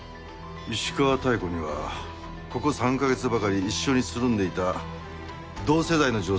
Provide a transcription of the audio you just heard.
石川妙子にはここ３カ月ばかり一緒につるんでいた同世代の女性がいるらしい。